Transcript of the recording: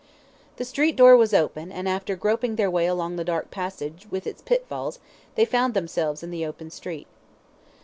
The street door was open, and, after groping their way along the dark passage, with its pitfalls, they found themselves in the open street.